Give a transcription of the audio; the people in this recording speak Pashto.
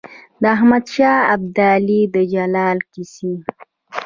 د احمد شاه ابدالي د جلال کیسې.